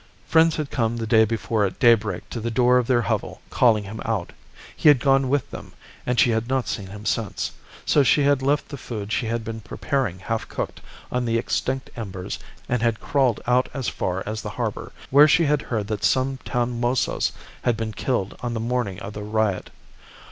Friends had come the day before at daybreak to the door of their hovel calling him out. He had gone with them, and she had not seen him since; so she had left the food she had been preparing half cooked on the extinct embers and had crawled out as far as the harbour, where she had heard that some town mozos had been killed on the morning of the riot.